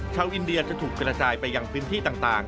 ชาวอินเดียจะถูกกระจายไปยังพื้นที่ต่าง